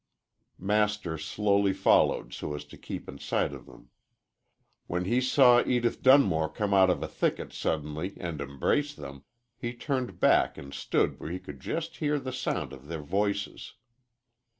Master slowly followed so as to keep in sight of them. When he saw Edith Dunmore come out of a thicket suddenly and embrace them, he turned back and stood where he could just hear the sound of their voices.